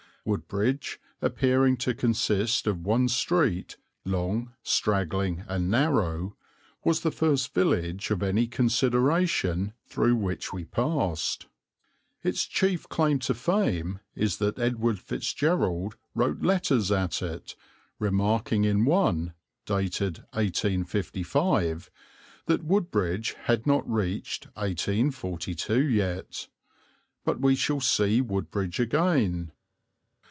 Woodbridge, appearing to consist of one street, long, straggling, and narrow, was the first village of any consideration through which we passed. Its chief claim to fame is that Edward Fitzgerald wrote letters at it, remarking in one, dated 1855, that Woodbridge had not reached 1842 yet. But we shall see Woodbridge again.